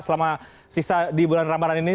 selama sisa di bulan ramadhan ini